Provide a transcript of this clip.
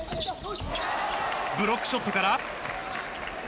ブロックショットから。